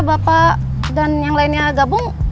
bapak dan yang lainnya gabung